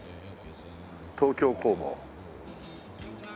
「東京工房」